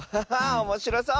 おもしろそう！